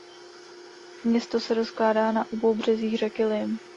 Město se rozkládá na obou březích řeky Lim.